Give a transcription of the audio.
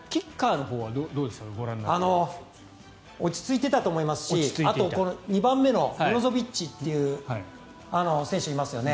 落ち着いてたと思いますし２番目のブロゾビッチという選手がいますよね。